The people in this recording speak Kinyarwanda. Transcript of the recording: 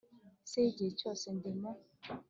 c igihe cyose ndi mu